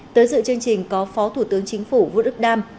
tới dự chương trình có phó thủ tướng chính phủ vũ đức đam